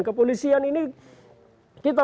kepolisian ini kita